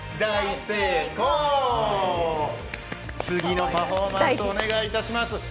次のパフォーマンス、お願いします。